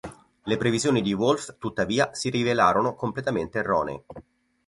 Le previsioni di Wolff, tuttavia, si rivelarono completamente erronee.